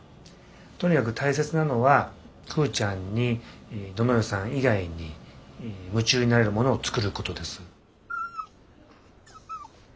とにかく大切なのはクウちゃんに堂上さん以外に夢中になれるものを作ることです。